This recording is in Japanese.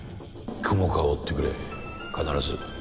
雲川を追ってくれ。